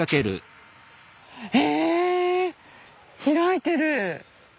え開いてる！